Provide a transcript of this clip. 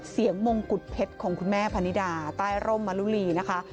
มงกุฎเพชรของคุณแม่พนิดาใต้ร่มมะลุลีนะคะ